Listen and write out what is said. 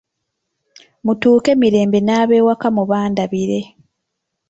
Mutuuke mirembe n’abewaka mubandabire.